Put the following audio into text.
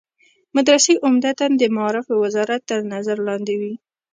مدرسې عمدتاً د معارف وزارت تر نظر لاندې وي.